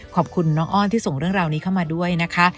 ขอบคุณน้องอ้อนที่ส่งเรื่องราวนี้เข้ามาด้วยนะคะ